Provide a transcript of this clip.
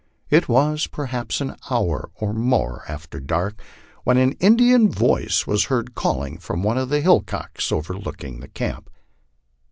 It was perhaps an hour or more after dark when an Indian voice was 246 MY LIFE ON THE PLAINS. heard calling from one of the hillocks overlooking the camp.